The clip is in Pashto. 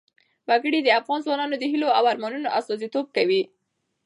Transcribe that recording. وګړي د افغان ځوانانو د هیلو او ارمانونو استازیتوب کوي.